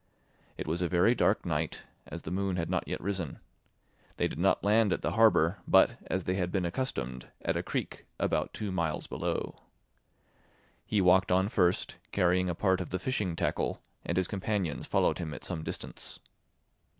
It was a very dark night, as the moon had not yet risen; they did not land at the harbour, but, as they had been accustomed, at a creek about two miles below. He walked on first, carrying a part of the fishing tackle, and his companions followed him at some distance.